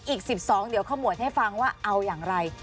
อีก๑๒เดี๋ยวขมวดให้ฟังว่าเอาอย่างไร